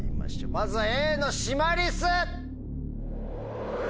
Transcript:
まずはＡのシマリス！